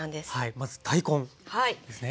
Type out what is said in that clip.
まず大根ですね。